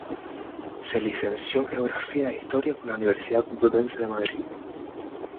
Se licenció en Geografía e Historia por la Universidad Complutense de Madrid.